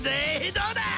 どうだ！